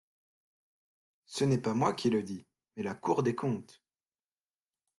Ce n’est pas moi qui le dis, mais la Cour des comptes.